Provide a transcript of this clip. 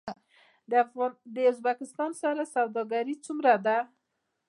د ازبکستان سره سوداګري څومره ده؟